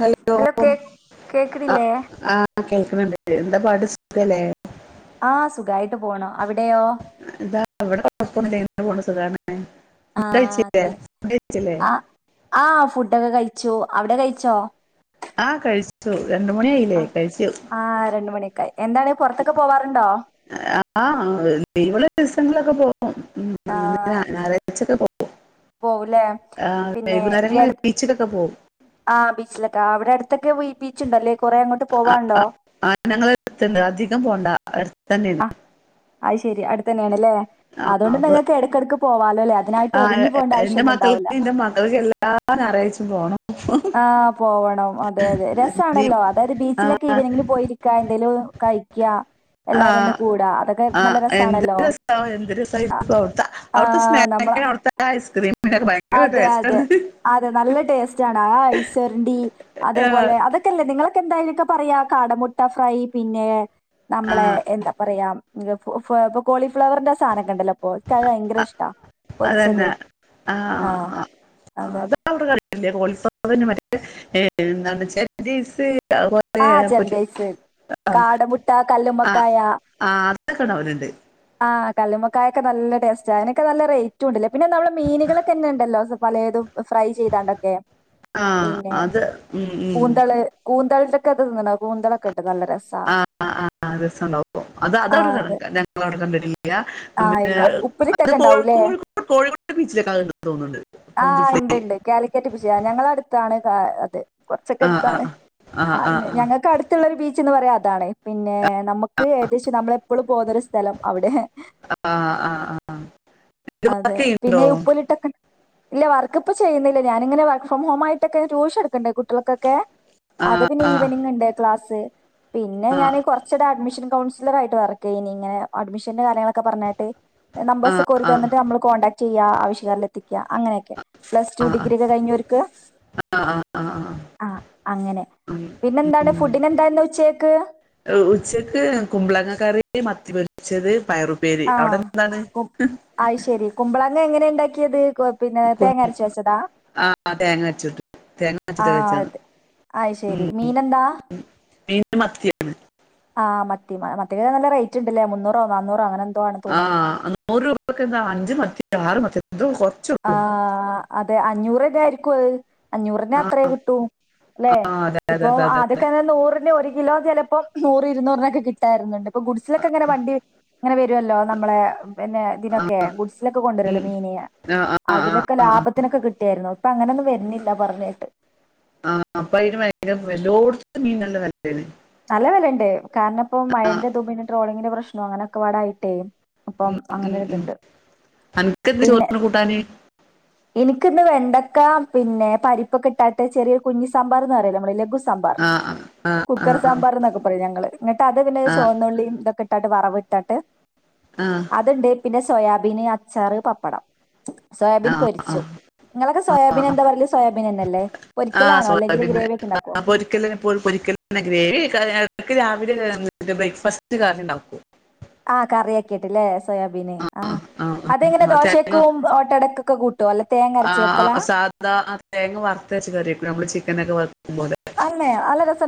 Hello ആ കേക്കണില്ലേ ആ- എന്താ പാട് സുഖല്ലേ? ആഹ് സുഖായിട്ട് പോണം അവിടെ? ഇതാ അവിടെ് ചെയ പോ സുഗാണ്. ആഹ് അല്ലെ കഴിച്ചില്ലേ ആ ആ ഫുഡൊക്കെ കഴിച്ച് ച്ചു അവിടെ കഴിച്ചോ? ആ കഴിച്ചു രണ്ട് മണിയായില്ലേ ആഹ് കഴിച്ചു. ആഹ് രണ്ട് മണിയൊക്കായി എന്താണ് പൊറത്തൊക്കെ പോവാറുണ്ടോ ആ ഇളള ദിവസങ്ങളൊെ. ങ്ങനെ ആഹ് ഞായറാഴ്ചക്കെ. പോവുലേ ആ പിന്നെ ഈ വൈകുന്നേരങ്ങളിൽ അടു ബീച്ചിലൊക്കെ പോവും. ആഹ് ബീച്ചിലൊക്കെ അവിടെ അടുത്തൊക്കെ ബീച്ചുണ്ടല്ലേ? കൊറെ അങ്ങോട്ട് പോവാണ്ടോ ആ ഞങ്ങളെ എടുത്തുണ്ട് അധികം പോണ്ട അടുത്ത് തന്നെ. ആഹ് അത് ശരി അടുത്ത തന്നെയാണ്ല്ലേ അതുകൊണ്ട് അപ്പൊ നിങ്ങൾക്ക് ഇടക്കിടക്ക് പോവാല- ആ എന്റെ മക്കൾക്ക് എന്റെ മകൾക്ക് എല്ലാം ഞായറാഴ്ചും പോണം. ആഹ് പോവണം. ണ അതെ അതെ രസാണല്ലോ അതായത് ബീച്ചിലൊക്കെ ആ ഈവനനിങ്ങിന് പോയിരിക്ക എന്തെലും കഴിക്ക- ആഹ് ആ എന്ത് രസാണല്ലോ രസ എന്ത് രസയിരി അ അവിടുത്തെ ആഹ് നമ്മള സ്നാക്ക് അവിടുത്തെ- ഐസ്ക്രീമിനൊക്കെ ഭയങ്കര അതെ അതെ ടേസ്റ്റാണ് അതെ നല്ല ടേസ്റ്റ് ആണ് ആ ഐസ്വരണ്ടി ആ അതേപോലെ അതൊക്കെല്ലേ നിങ്ങളൊക്കെ എന്തായാലൊക്കെ പറയാ കാടമുട്ട ഫ്രൈ പിന്നെ- നമ്മളെ ആ, എന്താ പറയാ ഗ്ഫ് ഇപ്പൊ കോളിഫ്ലവറിന്റെ സാധനമൊക്കെ ഇണ്ടല്ലോ ഓൾക്ക് അത് ഭയങ്കര ഇഷ്ടാ പൊരിച്ചത് അതന്നെ ആ അതെ കോളിഫ്ലവറിൻ്റെ മറ്റേ എന്താ വച്ചാല് ആഹ് [unintelligible] ചെരണ്ടൈസ് [inaudible] ആ കാടമുട്ട ആ കല്ലുമ്മക്കായ ആ അത് എടുകണവരൊണ്ട് കല്ലുമക്കായൊക്കെ നല്ല ടേസ്റ്റാ അതിനൊക്കെ നല്ല റേറ്റുണ്ടലെ പിന്നെ ഞമ്മളെ മീനുകളൊക്കെന്നെ ഉണ്ടല്ലോ പലേതും ഫ്രൈ ചെയ്തണ്ടൊക്കെ ആ പിന്നെ അത് ഉം, ഉം, കൂന്തള് കൂ ന്തളട്ടൊക്കെ ഇത് തിന്നണ് കൂന്തളൊക്കെ ഇട്ട് നല്ല രസ ആ രസം ഉണ്ടാവും അപ്പം അത് അതവിടെ [unintelligible] ഞങ്ങളവിടെ കണ്ടിട്ടില്ല ആഹ് പിന്നെ ഇല്ല അത് കോ [inaudible] കോഴി [inaudible] കോഴോ ആ ഇണ്ട് ഇണ്ട് കാലിക്കറ്റ് [inaudible] ഞങ്ങളടുത്താണ് ആ അതെ കുറച്ചൊക്കെ ആ ആ അടുത്താണ് ആ ആ ആ ഞങ്ങൾക്ക് അടുത്തുള്ളൊരു ബീച്ച് ച്ചെന്ന് പറയാ അതാണ് പിന്നെ നമുക്ക് ഏകദേശം നമ്മള് എപ്പളും പോകുന്നൊരു സ്ഥലം അവിടെ ആ ആ ആ ഇത് അതെ വർക്ക് ചെയ്യുന്നുണ്ടോ പിന്നെ ഉപ്പിലിട്ടൊക്കെ ഇല്ല വർ വർക്ക് ഇപ്പോ ചെയ്യുന്നില്ല ഞാനിങ്ങനെ വർക്ക് ഫ്രം ഹോം ആയിട്ടൊക്കെ ട്യൂഷൻ എടുക്ക്ണ്ട് കുട്ടികൾക്കൊക്കെ അത് ആ പിന്നെ ഈവനിംഗ് ഉണ്ട് ക്ലാസ് പിന്നെ ആ ഞാന് കുറച്ചു നേരം അഡ്മിഷൻ കൗൺസിൽ സിലർ ആയിട്ട് വർക്ക് ചെയ്നി ഇങ്ങനെ അഡ്മിഷന്റെ കാര്യങ്ങളൊക്കെ പറഞ്ഞട്ട് നമ്പേഴസ് ഒക്കെ ഓര് ആ തന്നിട്ട് നമ്മൾ കോണ്ടാക്റ്റ് ചെയ്യ യ്യാ ആവശ്യക്കാരില് എത്തിക്ക അങ്ങനെയൊക്കെ പ്ലസ് ടു ആ ആ ഡിഗ്രി ഒക്കെ കഴിഞ്ഞവർക്ക് ആ ആ ആ അങ്ങനെ ഉം, പിന്നെ എന്താണ് ഉം. ഫുഡിനു എന്താ ഇന്ന് ഉച്ചക്ക് ഉച്ചക്ക് കുമ്പളങ്ങ കറി മത്തി പൊരിച്ചത് പയറുപ്പേരി ആ അവിടെ എന്താണ് കു അയ്ശരി കുമ്പളങ്ങ എങ്ങനാ ഇണ്ടാക്കിയത് കു പിന്നെ കു- തേങ്ങ അരച്ച് വെച്ചതാ ആ തേങ്ങ വെച്ചിട്ട് തേങ്ങ ആ വെച്ചിട്ട് വെച്ചത് അതെ ഉം. അയ്ശരി മീനെന്താ മീൻ മത്തിയാണ് മത്തികറി നല്ല റേറ്റ് ഉണ്ടല്ലേ മുന്നൂറോ നാന്നൂറോ അങ്ങനെ എന്തോ ആണ് ആ തോന്നുന്നുണ്ട് നൂറ് രൂപക്ക് എന്താ അഞ്ച് മത്തിയോ ആറ് മത്തിയോ ആ അതെ അഞ്ഞൂറീന് ആയിരിക്കും അത് അഞ്ഞൂറിന ആ അത്രയേ കിട്ടൂ അല്ലെ ആ അതെ അതെ ഇപ്പൊ അതെ അതെ ആദ്യ ഒക്കെ നൂറിന് ഒരു കിലോ ചെലപ്പോം നൂറ് ഇരുന്നൂറിനൊക്കെ കിട്ടായിരുന്നുണ്ട് ഇപ്പൊ ഗുഡ്സിലൊക്കെ ഇങ്ങനെ വണ്ടി ഇങ്ങനെ വരുവല്ലോ നമ്മളെ പിന്നെ ഇതിനൊക്കെ ഗുഡ്സിലൊക്കെ കൊണ്ടുവരുവല്ലോ ഉം. മീന് ആ ആ ആ അതിലൊക്കെ ആ ആ ലാഭത്തിനൊക്കെ കിട്ടിയായിരുന്നു ഇപ്പൊ അങ്ങനെയൊന്നും വരുണാല്ല പറഞ്ഞേട്ട് ആ അപ്പം അയിന് ഭയങ്കര റേ എല്ലോടത്തും മീൻ നല്ല വെലയ നല്ല വെലയൊണ്ട് കാരണം ഇപ്പം ആ മഴന്റെ ഇതും പിന്നെ ട്രോളിങ്ങിന്റെ പ്രശ്നാം അങ്ങനൊക്കെപാടായിട്ടേ അപ്പം ഉം, ഉം, ഉം. അങ്ങനെരിതുണ്ട് അനക്കെന്ത് പിന്നെ ചോറിന് കൂട്ടാന് എനിക്കിന്ന് വെ ണ്ടക്ക പിന്നെ പരിപ്പൊക്കെ ഇട്ടാട്ട് ചെറിയൊരു കുഞ്ഞി സാമ്പാറന്ന് പറയിലെ ഞമ്മള് ലഘു സാമ്പാർ ആഹ് ആ കുക്കർ ആ സാമ്പാർ എന്നൊക്കെ പറയും ഞങ്ങള് എന്നിട്ട് അത് പിന്നെ ആ ചുവന്നുള്ളി ഇതൊക്കെ ഇട്ടട്ട് വറവ് ഇട്ടട്ട് ആ അതുണ്ട് പിന്നെ സോയാബീന് അച്ചാറ് പപ്പടം ആ സോയാബീൻ പൊരിച്ചു ആ നിങ്ങളൊക്കെ സോയാബീൻ എന്താ ആ പറയല് സോയാബീൻ തന്നല്ലേ ആ പൊരിക്കലാണോ അല്ലെങ്കില് സോയാബീന് ഗ്രേവി ഒക്കെ ഇണ്ടാക്കോ [unintelligible] ഗ്രേവിക്ക് [inaudible] രാവിലെ ബ്രേക്ക്ഫാസ്റ്റ് കറി ണ്ടാക്കൂ ആ കറി ആക്കിട്ടല്ലേ സോയാബീന് ആ അതെങ്ങനെ ആ തേങ്ങ ദോശക്കും ഓട്ടടക്കൊക്കെ കൂട്ടുവോ അല്ലെ തേങ്ങരച്ച് വെക്കലാ? വറത്ത് അരച്ചു കറിവെക്കും നമ്മള് ചിക്കനൊക്കെ വെക്കുമ്പോലെ അല്ലേ നല്ല രസ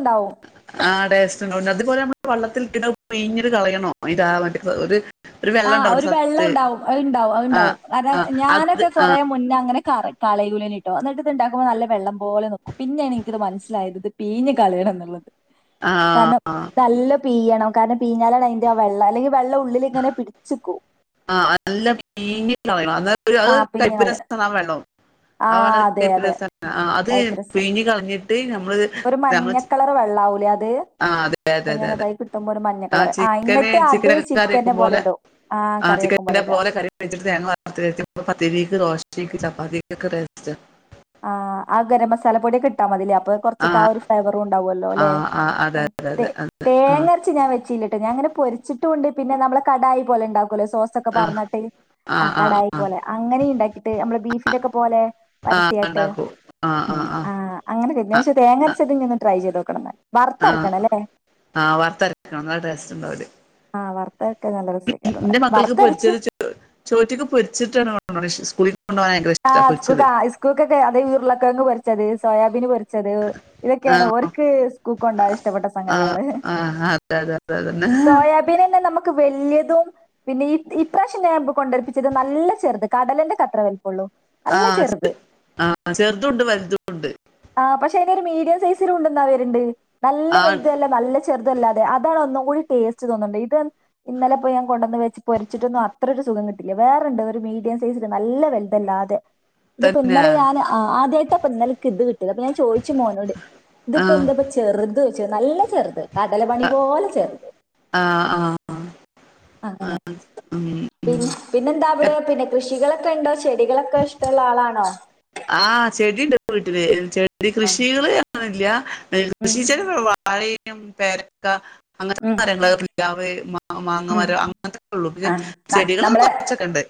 ആ ടേസ്റ്റോണ്ട് അതുപോലെ നമ്മള് വള്ളത്തില് ഇട്ടങ്ങ് പിഴിഞ്ഞങ്ങു കളയണോ അയിൻ്റെ ആ മറ്റ ഒരു ഒരു ആ വെള്ളം ഉണ്ടാവും ഒരു വെള്ളം സത്ത് ഉണ്ടാവും അതുണ്ടാവും ആ അത്ണ്ടാവും ആ കാരണം അത് ഞാനൊക്കെ ആ കൊറെ മുന്നേ അങ്ങനെ ക കളയുലാഞ്ഞിട്ടോ എന്നിട്ട് ഇത്ണ്ടാക്കുമ്പോ നല്ല വെള്ളം പോലെ നിക്കും പിന്നെയാണ് എനിക്കിത് മനസ്സിലായത് ഇത് പീഞ്ഞ് കള [inaudible] ആ പീ്യണം കാരണം പീഞ്ഞാലാണ് അതിൻന്റെ ആ വെള്ളം അല്ലെങ്കിൽ വെള്ളിൽ ഇങ്ങനെ പിടിച്ചു നിക്കും ആഹ നല്ലാം പീഴിഞ്ഞ് കളയണം അ ആ അത് പീഞ്ഞ കൈപ്പ് കളി രസമാവെള്ളോ ആ അതെ വളരെ അതെ രസ അത് കൈപ്പരസം പിഴഞ്ഞഞ് കളഞ്ഞിട്ട് നമ്മള് നമ്മൾ ലാവലതെ അങ്ങനെ അതായി കിട്ടുമ്പോ ഒരു മഞ്ഞ കളർ ആ ചിക്കന് എന്നിട്ട് അത് ചിക്കനൊക്കെ കറി ചിക്കനെ വെക്കും പോലെ ഇടും ആ ആ കറി വെക്കും ചിക്കൻന്റെ ഇടുക പോലെ കറി വെച്ചിട്ട് തേങ്ങ വറ പ വക്ക് രോഷിക്ക് ചപ്പാതിക്കസ് [unintelligible] ആ ഗരം മസാല പൊടിയൊക്കെ ഇട്ടാ മതില്ലേ അപ്പൊ കൊറച്ചൊക്കെ ആ ഒരു ഫ്ലേവറും ഉണ്ടാവുല്ലോ ആ ല്ലെ ആ അതെ അതെ അതെ അതെ ആ തേങ്ങരച്ച് ഞാൻ വെച്ചില്ലട്ടോ ഞാൻ അങ്ങനെ പൊരിച്ചിട്ട കൊണ്ട് പിന്നെ നമ്മള് കടായി പോലെ ഉണ്ടാക്കും സോസൊക്കെ ആ പാർന്നിട് ആ കടായി പോലെ അങ്ങനെ ഉണ്ടാക്കിട്ട് നമ്മെ ബീഫിന്റെ ഒക്കെ പോലെ ആ [inaudible] ട്ടെ ഇണ്ടാക്കും. ആ ആ ആ അങ്ങനെ ആ ഞാൻ തേങ്ങരച്ചു വെക്കണ ഒന്ന് ട്രൈ ചെയ്തോക്കണന്ന് ആ ആ വറത്തരക്ക അല്ലേ ആ വർത്തരക്കണം നല്ല ടേസ്റ്റ് ഉണ്ടഅവിടെ ആഹ് വറുത്തരക്കാൻ നല്ല രസേക്കാരം ന്റെ മക്കൾക്ക് വറുത്തരച്ച് പൊരിച്ചത് [unintelligible] ചോറ്റിക്ക് പൊരിച്ചിട്ടാണ് കൊണ്ടോണ് ഷ് സ്കൂളി ആഹ് സ്കൂക്കാ ഇസ്കൂക്കൊക്കെ അതെ ഇ ഉരളക്കിഴങ്ങ് പൊരിച്ചത് സോയാബീന് പൊരി ച്ചത് ആ ഇതൊക്കെയാണ് ഓരിക്ക് സ്‌കൂളീക്കൊണ്ടോവാൻ ഇഷ്ടപ്പെട്ട ആഹ് സംഗതികള്. ആഹ് അതെ അതെ അതെ അതന്നെ സോയാബീനെല്ലേ നമ്മക്ക് വെല്ല്യെത് തും പിന്നെ ഇ ഇപ്രാവശ്യം ഞാൻ മ്പൊ കൊണ്ടെടുപ്പിച്ചത് നല്ല ചെറുത് കടലേന്റെ അത്രേ വലിപ്പൊള്ളു അല്ല ആഹ് ചെറുത് ആഹ് ചെറുതുണ്ട് വലുതുണ്ട് ആ പക്ഷെ അയിന്റെയൊരു മീഡിയം സൈസ് ഇത്തിരി [unintelligible] വര്ണ്ട് നല്ല ആഹ് വലുതുവല്ലാ നല്ല ചെർ തല്ലാതെ അതാണ് ഒന്നും കൂടി ടേസ്റ്റ് തോന്ന്ണ്ട് ഇതൻ ഇന്നലെ പ്പോ യാൻ കൊണ്ടന്ന് വെച്ച് പൊരിച്ച്ട്ടൊന്നു അത്രൊരു സുഖം കിട്ടീല വേറണ്ട് ഒരു മീഡിയം സൈസി നല്ല വെൽ തല്ലാതെ ഇതിപ്പോ തന്നെയാ ഇന്നലെ ഞാൻ ആ ആദ്യായിട്ടായിപ്പൊ ഇന്നലക്ക് ഇത് കിട്ടിയത് അപ്പൊ ഞാൻ ചോയ്ച്ചു മോനോട് തിപ്പോ ആഹ് എന്താപ്പ ചെർത് ചെ നല്ല ചെറ്ത് കടല മണി പോലെ ചെറുത് ആഹ് ആഹ് അങ്ങനെ [inaudible] പിന്നെന്താവിടെ പിന്നെ കൃഷികളൊ ക്കെയിണ്ടോ ചെടികളൊക്കെ ഇഷ്ടൊള്ള ആളാണോ. ആഹ് ചെടി ണ്ട് വീട്ടില് ചെടി ആ കൃഷികള് അങ്ങനെയില്ല ഉം കൃഷി [unintelligible] വാഴയും പേരക്ക അങ്ങനത്ത ഉം കാര്യങ്ങള് [unintelligible] ഉം ആ ത ചെടികള് നമ്മളെ കൊറച്ചൊക്കെ ഉണ്ട്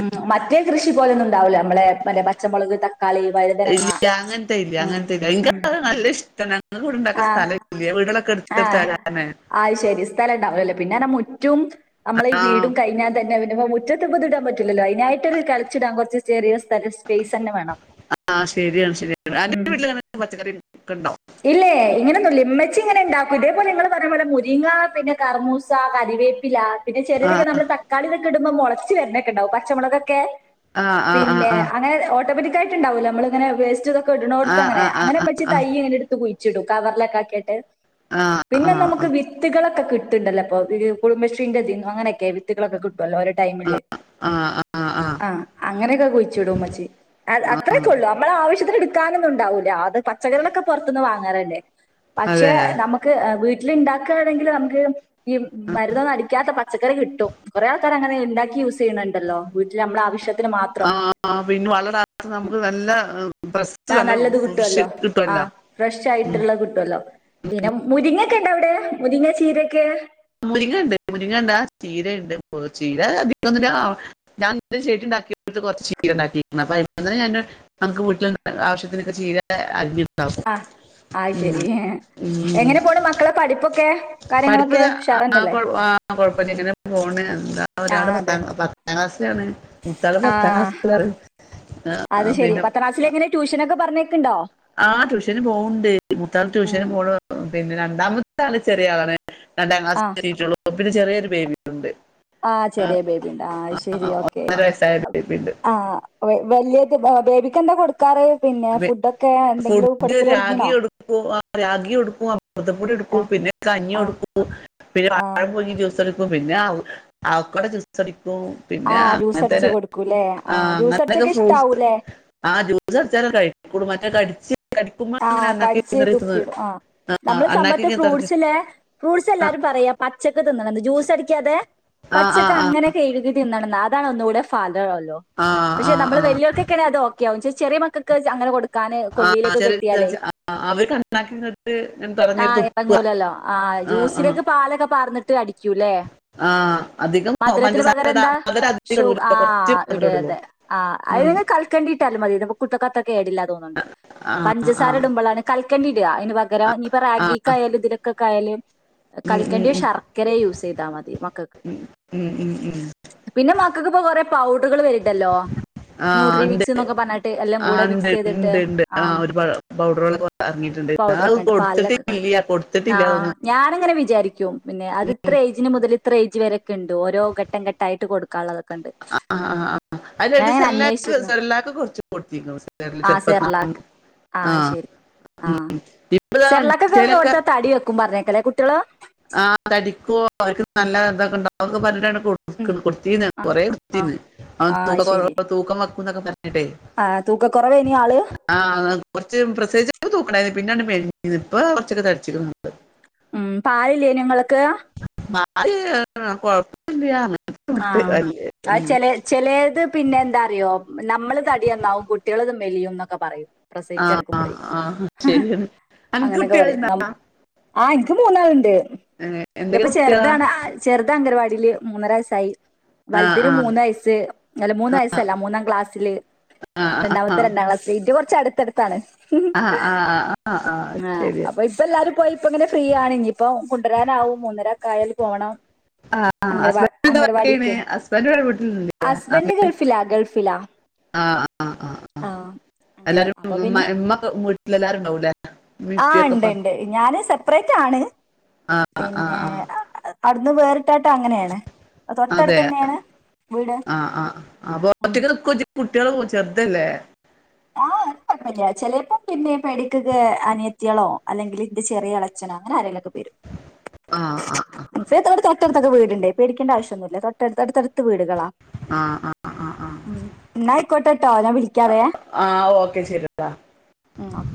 ഉം മറ്റേ കൃഷി പോലൊന്നും ണ്ടാവൂല മ്മളെ പര പച്ചമൊളക് തക്കാളി വഴുതന ഇല്ല ആ അങ്ങനത്തെ ഇല്ല ഉം അങ്ങനത്തെ ഇല്ല എനിക്ക് ഉം അത് നല്ല ഇഷ്ടാണ് ഞങ്ങക്ക് ഇവിടെ ഇണ്ടാക്കാൻ ആ സ്ഥലം ഇല്ല വീടുകളൊക്കെ ആ എടുത്തെടുത്തായ കാരണേ ആഹ് ശരി സ്ഥലണ്ടാവൂലലെ പിന്നെന്നാ മുറ്റും നമ്മളെ ഈ ആഹ് വീടും കഴിഞ്ഞാ തന്നെ അവര് തിപ്പോ മുറ്റത്ത്പ്പ ത്ടാൻ പറ്റുല്ലല്ലോ അയ്നായിട്ടൊരു കളച്ചിടാൻ കൊർച്ച് ചെറിയ സ്ഥല സ്പേയ്സെന്നെ വേണം ആഹ് ശരിയാണ് ശരിയാണ് അതിന്റെ ഉം വീട്ടില് [inaudible] പച്ചക്കറി [inaudible] ക്കണ്ടോ ഇല്ലേ ഇങ്ങനൊന്നുല്ല ഉമ്മച്ചി ഇങ്ങനെണ്ടാക്കു ഇതേപോലെ നിങ്ങൾ പറഞ്ഞ പോലെ മുരിങ്ങ പിന്നെ കർമൂസ കറി വേപ്പില പിന്നെ ചെലേതൊക്കെ ആഹ് നമ്മള് തക്കാളി ഇതൊക്കെയിടുമ്പോ മൊളച്ച് വരണൊക്കെയൂണ്ടാവും പച്ചമൊളകൊക്കെ ആഹ് ആഹ് പിന്നെ ആഹ് അങ്ങനെ ഓട്ടോമാറ്റി കായിട്ടുണ്ടാവൊല്ലോ നമ്മൾ ഇങ്ങനെ വേസ്‌റ്റു തൊ ക്കട്ണോട്ത്തങ്ങനെയാ ആഹ് അങ്ങനെ ആഹ് മച്ചി തൈ ആഹ് ഇങ്ങനെടുത്ത് കുഴിച്ചിടും കവറിലൊക്കെ ആക്കീട്ട് ആഹ് ആഹ് പിന്നെ ആഹ് ആഹ് നമുക്ക് വിത്തുകളൊക്കെ കി ട്ട്ണ്ടല്ലോ പ്പൊ വീഡിയോ കോള് കുടുംബശ്രീന്റെ തിന്നാനൊക്കെ വിത്തുകളൊക്കെ കിട്ടുവല്ലോ ഓരോ ടൈമില് ആഹ് ആഹ് ആഹ് ആ അങ്ങനൊക്കെ കുഴിച്ചിടും മ്മച്ചി അത് അത്രെക്കൊള്ളൂ നമ്മള ആവശ്യത്തിന് ഇട്ക്കാനൊന്നുണ്ടാവൂലാ അത് പച്ചക്കറികളൊക്കെ പൊറത്തുന്ന് വാങ്ങറല്ലേ പക്ഷെ അതെ നമ്മക്ക് എ വീ ഇതിണ്ടാക്കാണെങ്കില് നമുക്ക് ഈ മരുന്നൊന്നും അടിക്കാത്ത പച്ചക്കറി കിട്ടും കൊറേ ആൾക്കാരങ്ങനെ ഇണ്ടാക്കി യൂസിയ്യ്ണ് ണ്ടല്ലോ വീട്ടില് നമ്മടെ ആവശ്യത്തിന് മാത്രം ആ പിൻ വളടാത്ത നമുക്ക് നല്ല ബസ്റ്റ് ആ നല്ല നല്ലത് ഫ്രഷ് കിട്ടുവല്ലോ. ആ കിട്ടുവല്ലൊ ഫ്രഷ് ആയിട്ടുള്ള കിട്ടുവല്ലോ പിന്നെ മുരിങ്ങക്കെണ്ടവ്ടെ മുരിങ്ങ ചീരൊക്കെ മുരിങ്ങണ്ട് മുരിങ്ങണ്ടാ ചീരണ്ട് ചീര അധികൊന്നില്ല ഞാൻ ചെടിണ്ടാ കൊറച് ചീരണ്ടാക്കികുണു അപൊയ്മന്നന്നെ ഞാന് നമക്ക് വീട്ട്ല് ആശ്യത്തിനൊക്കെ ചീര അരിഞ്ഞുണ്ടാക്കും ആഹ് അയ് ശെരി ഉം എങ്ങനെ പോണ് മക്കളെ പഠിപ്പൊക്കേ പഠിപ്പ്ത ആഹ് കൊഴപ്പല്ല ഇങ്ങനെ പോണ് ന്താ ഒരാള് പത്താം പത്താം ക്ലാസ്സിലാണ് മൂത്താള് പത്താം ആഹ് ക്ലാസ്സിലാണ് ആ, ആ, അത് ശരി പത്താം ക്ലാസ്സിലെങ്ങനെ ട്യൂഷനൊക്കെ പറഞ്ഞ ആഹ് ട്യൂഷന് പോവ്ണ്ട്. മുത്താള് ട്യൂഷന് ഉം. പോണ് പിന്നെ രണ്ടാമത്താള് ചെറിയ ആളാണ് രണ്ടാം ആ ക്ലാസ്സ്‌ [unintelligible] പിന്നെ ചെറീ ഒരു ബേബിണ്ട് ആഹ് ചെറീ ബേബിണ്ട ആഹ് അത് ശരി ഓക്കെ ഒന്നര വയസ്സായ ബേബി ഉണ്ട് ആഹ് വെല്യാത് ബേബിക്കെന്താ കൊട് പിന്നെ ഫുഡൊക്കെ ഫുഡ്ഡ് കൊടുക്കല് തുടങ്ങിണോ? രാഗിടുക്കു ആഹ് രാഗി ഒടുക്കുംഅമൃതംപ്പൊടി ആ ഒടുക്കും പിന്നെ കഞ്ഞി ആ ഒടുക്കും പിന്നെ ആ പഴം പുഴുങ്ങി ജൂസടിക്കും പിന്നെ അവക്കടൊ ജൂസടി പിന്നെ ആ ജ്യൂസ് അടിച്ച് അങ്ങൻത്തെന് കൊടുക്കൂല്ലേ? ആ ആഹ് ജ്യൂസ് അങ്ങനൊക്കെ അടിച്ചൊക്കെ ഫ്രൂട്ട്സ് ഇഷ്ടാവൂലേ? ആഹ് ജൂസടിച്ചാലെ ഓൻ കഴിക്കുളു മറ്റെ കടിച്ച് കടിക്കുമ്പോ അങ്ങനെ ആഹ് അണ്ണാക്കി കടിച്ച് കിണറിക്കുന്നത് തുപ്പിടും ആഹ് ആ നമ്മള് സമ്പത്തെ അണ്ണാക്കി തറഞ്ഞു ഫ്രൂട്സ്സില്ലെ ഫ്രൂട്സെല്ലാരും പറയാ പ്പ പച്ചക്ക് തിന്നണം ജ്യൂസ് അടിക്കാതെ ആ ആ പച്ചക്ക് ആ അങ്ങനെ കഴുകി തിന്നണംന്ന് അതാണ് ഒന്നൂടെ ഫാ അല്ല ആ ആ പഷെ നമ്മള് ആ വല്യോൽകൊക്കേണെ അതോക്കാവും ചെറീ മകക്ക് അങ്ങനെ കൊടുക്ക ക്കാന് ആ ആ കൊല്ലീലൊക്കെ ചെറിയ എലെ ചാച്ചി. ആ, ആ, അവർക്ക് അണ്ണാക്കി കിണറ്റ് ഞാൻ തറഞ്ഞെടുത്ത് ആഹ് ഉപ്പ് എറങ്ങൂലല്ലൊ ആഹ് ആ ആ ജൂസിലൊക്കെ പാലൊ പാർന്ന്ട്ട് അടിക്കൂല്ലേ ആ അധികം മധുരത്തിന് പഞ്ചസാര ഇടാ- പകരെന്താ മധുരം അധികം ഷു ഇടൂല കുറച്ച് ആഹ് മധുരം ഇടുള്ളൂ ഇടേത് ആഹ് ഉം. നി കൽക്കണ്ടിട്ടാലും മതി ഇടുമ്പൊ കുട്ടീക്കത്ത്റ കേടില്ലാ തോന്നുന്നുണ്ട് ആ ആ പഞ്ചസാര ഇടുമ്പളാണ് കൽക്കണ്ടിട അയിന് പകരം ഇനിപ്പൊ റാഗീക്കായാലും ഇതിലൊക്കൊക്കായാലും ഉം, ഉം, കൽക്കണ്ടിയൊ ഉം, ശർക്കരെ യൂസീത മതി മക്കക്ക് ഉം, ഉം ഉം മകക്ക്പ്പൊ കൊറേ പൗടറ്കൾ വര്ണ്ടല്ലൊ ആ ന്യൂട്രി ഉണ്ട് മിക്സ്ന്നൊക്കെ പറഞ്ഞ്ട്ട് എല്ലം ആ കൂടെ ഉണ്ട് മിക്സീത്ട്ട് ഉണ്ട് ഉണ്ട് ആ ആഹ് ഒരു പൗഡറുകളൊക്കെ ഇറങ്ങിയിട്ടുണ്ട് അത് പൗഡറൊക്കെണ്ട് പാലിലൊക്കെ കറി കൊടുത്തിട്ടില്ല കൊടുത്തിട്ടില്ല അതൊന്നും ആഹ് ഞാനങ്ങനെ വിജാരി യും പിന്നെ അത് ഇത്രെ ഏയ്ജിന് മുതല് ഇത്ര ഏയ്ജ് വരെ ഒക്കെണ്ട് ഓരോ ഘട്ടംഘട്ടായിട്ട് കൊട്ക്കാള്ളത ആഹ് ആഹ് ആഹ് അല്ലടക്ക് സെല്ലാ അന്വേഷിച്ചിരുന്നു സെർല്ലാക്ക് കൊറച്ച് കൊട്ത്തീ ചെറുപ്പ ആഹ് ശരി ആഹ് ദാ സെർളാകൊക്കെ ഇൻസ്റ്റയിലൊക്കെ കൊടുത്ത തടി വെക്കും പറഞ്ഞെക്കല്ലെ കുട്ടീള് ആഹ് തടിക്കോ ഓല്ക്ക് നല്ലതൊക്കെണ്ടാവുന്നൊക്കെ പറഞ്ട്ടാണ് ഉം കൊട്ക്ക്ണെ കൊട്ത്തീന്ന് ആ ആ കൊറേട്ത്തീന്ന് ആ ശരി തൂക്കം വക്കുംന്നൊക്കെ പറ ട്ട ആ തൂക്കക്കുറവേനി ആള് ആഹ് കൊറച്ച് പ്രസയ്ച്ചേക് തൂക്കണ്ടാ പിന്നൺ മെലിഞീന്നു ഇപ്പ കൊറച്ചൊക്കെ തടിച്ച്ക്കുണു ഉം പാലില്ലെയ്നുങ്ങള്ക്ക് മ കൊഴപ്പ്ല്ല്യാറഞു ആഹ് അത് ചെ ചെലേത് പിന്നെന്തറിയൊ ഞമ്മള് തടിന്നാവും കുട്ടി ട്ടീളത് മെലിയുന്നൊക്കെ പറയും ആ ആ, പ്രസയ്ച്ചെടുക്ക്മ്പളെ ആ ശരിയാണ് അനക്ക് അങ്ങനൊക്കെ പറയും കുട്ടികളുണ്ടാ നമ് ആഹ് ഇന്ക്ക് മൂന്നാള്ണ്ട് ഏ, എന്തൊക്കെ ഇന്റെപ്പ കുട്ടികളാ ചെറ്താണ് ചെറുത് അംഗനവാടില് മൂന്നര വയസ്സ് ആ വല്തിന് ആ മൂന്ന് വയസ്സ് അല്ല മൂന്ന് വയസ്സല്ല മൂന്നാം ക്ലാസ്സില് ആ ആ ആ രണ്ടാമത്തെ രണ്ടാം ക്ലാസ് ഇത് കൊറച്ച് അടുത്തട്ത്താണ് ആ ആ ആ ആ ആ ആഹ്, ശരി അപ്പൊ ഇപ്പെല്ലാരും പോയിപ്പങ്ങനെ ഫ്രീയാണ് ഞിപ്പൊ കുണ്ടരാനാവും ഒന്നരക്കയാല് പോണം ആഹ് ആഹ് അസ്ബ. അംഗനവാ അംഗനവാടിക്കെ ഹസ്ബന്റവടെ വീട്ടിൽല്ല ആഹ് ഹസ്ബൻഡ് ഗൾഫിലാ ഗൾഫിലാ ആഹ് ആഹ് ആഹ് അങ്ങനെ എല്ലാരും അപ്പൊ പിന്നെ ഇ-മ്മ ഇ-മ്മ പ്പ വീട്ടിലല്ലരു ഇ ണ്ടാവൂലെ ആ ഉണ്ട് ഇമപ്പിയൊക്കെപ്പാ ഉണ്ട് ഞാന് സെപ്പറേറ്റാണ്, ആ പിന്നെ.. ആ അവ് ടുന്ന് വേറിട്ട്ട്ട് അങ്ങനെണ് അതെ.. ആഹ.. ആ. അൊ ഉം. ഒറ്റക്ക് ന്കൊജ് കുട്ടിള്ളോ ചെർതല്ലേ.. ചിലപ്പോ പിന്നെ [unintelligible] അനിയത്തിളോ അല്ലെങ്കി ന്റെ ചെറിളച്ചനോ അങ്ങനെ ആരേലൊക്കെ തീർ ആ ആ [unintelligible] േക് പൊ വീടുണ്ട് പേടികേണ്ട ആവശ്യൊന്നുല തോട്ടടുത്തടുത്ത് വീടുകളാ ആ ആ ആ ആ മ് എന്നാ ആയിക്കോട്ടട്ട ഞാ വിളിക്കാവേ ആഹ... ഓക്കെ ശെരിട്ടാ.. ഉം ഓക്കെ